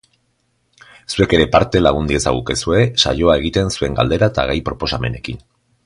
Zuek ere parte lagun diezagukezue saioa egiten zuen galdera eta gai proposamenekin.